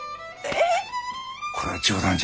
えっ。